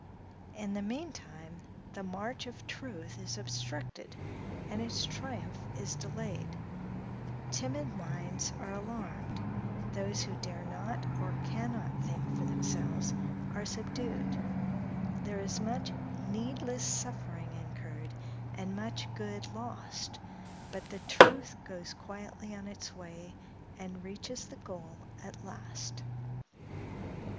In the meantime, the march of truth is obstructed, and its triumph is delayed; timid minds are alarmed; those who dare not or can not think for themselves, are subdued; there is much needless suffering incurred, and much good lost; but the truth goes quietly on its way, and reaches the goal at last.